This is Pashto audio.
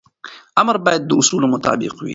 امر باید د اصولو مطابق وي.